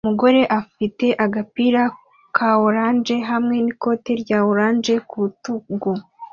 Umugore afite agapira ka orange hamwe n'ikoti rya orange ku rutugu